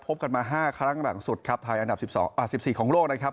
กันมา๕ครั้งหลังสุดครับไทยอันดับ๑๔ของโลกนะครับ